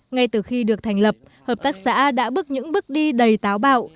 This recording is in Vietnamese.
ngay từ khi được thành lập hợp tác xã đã bước những bước đi đầy táo bạo